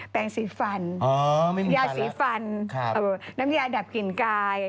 แปลงสีฟันยาสีฟันน้ำยาดับกลิ่นกาย